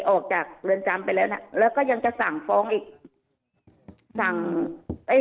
ออกจากเรือนจำไปแล้วน่ะแล้วก็ยังจะสั่งฟ้องอีกสั่งเอ้ย